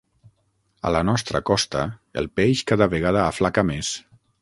A la nostra costa el peix cada vegada aflaca més.